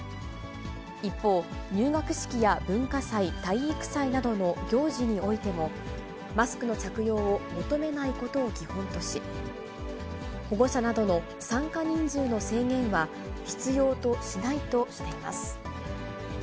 一方、入学式や文化祭、体育祭などの行事においても、マスクの着用を求めないことを基本とし、保護者などの参加人数の制限は必要としないとしています。